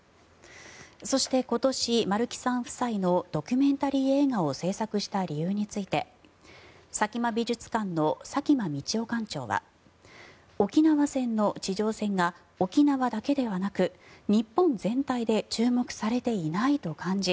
そして今年丸木さん夫妻のドキュメンタリー映画を制作した理由について佐喜眞美術館の佐喜眞道夫館長は沖縄戦の地上戦が沖縄だけではなく日本全体で注目されていないと感じ